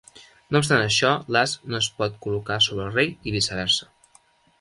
No obstant això, l'as no es pot col·locar sobre el rei, i viceversa.